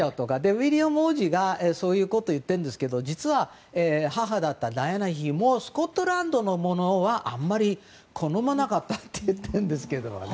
ウィリアム王子がそういうことを言っていますが実は、母だったダイアナ妃もスコットランドのものはあまり好まなかったといっているんですけどね。